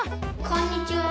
こんにちは。